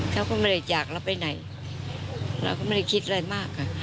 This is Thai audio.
เขาก็ไม่ได้จากเราไปไหนเราก็ไม่ได้คิดอะไรมากค่ะ